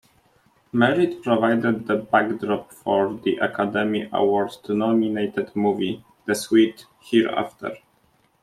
Merritt provided the backdrop for the Academy Award-nominated movie "The Sweet Hereafter".